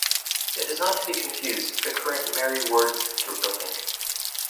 It is not to be confused with the current Mary Ward Centre building.